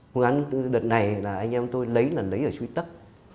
phương án đợt này là anh em tôi lấy là lấy ở suối tắc